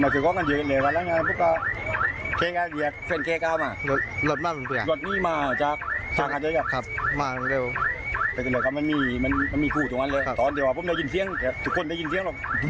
ถามอย่างนี้เผรฟหายพุกลมเลย